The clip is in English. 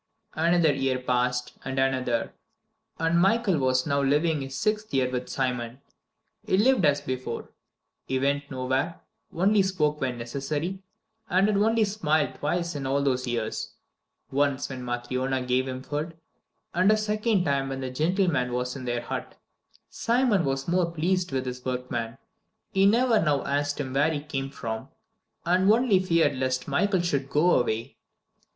VIII Another year passed, and another, and Michael was now living his sixth year with Simon. He lived as before. He went nowhere, only spoke when necessary, and had only smiled twice in all those years once when Matryona gave him food, and a second time when the gentleman was in their hut. Simon was more than pleased with his workman. He never now asked him where he came from, and only feared lest Michael should go away.